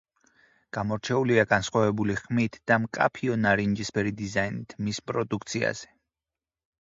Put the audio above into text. გამორჩეულია განსხვავებული ხმით და მკაფიო ნარინჯისფერი დიზაინით მის პროდუქციაზე.